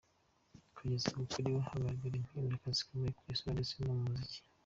Kugeza ubu kuri we hagaragara impinduka zikomeye, ku isura ndetse no mu muziki.